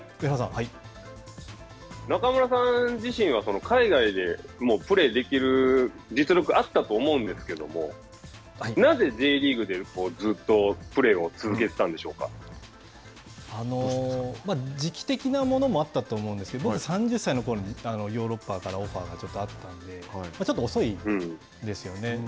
中村さん自身は海外でプレーできる実力あったと思うんですけどなぜＪリーグでずっとプレーを時期的なものもあったと思うんですけど僕、３０歳のころにヨーロッパからオファーがちょっとあったのでちょっと遅いですよね。